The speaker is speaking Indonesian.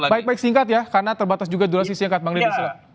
baik baik singkat ya karena terbatas juga durasi singkat bang deddy